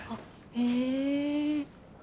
へえ。